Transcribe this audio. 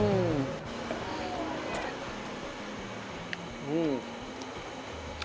mie aja udah gurih